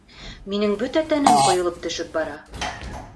Минең бөтә тәнем ҡойолоп төшөп бара